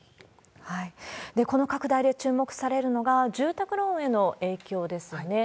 この拡大で注目されるのが、住宅ローンへの影響ですね。